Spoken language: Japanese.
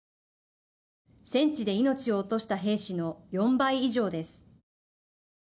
戦地で命を落とした兵士の４倍以上です。